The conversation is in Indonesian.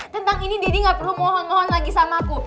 tentang ini deddy gak perlu mohon mohon lagi samaku